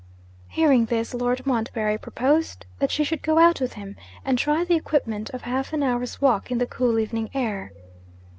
Hearing this, Lord Montbarry proposed that she should go out with him, and try the experiment of half an hour's walk in the cool evening air.